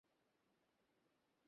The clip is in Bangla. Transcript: আমাদের পথ কেন হল আলাদা।